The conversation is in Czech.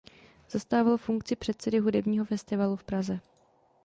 Zastával funkci předsedy hudebního festivalu v Praze.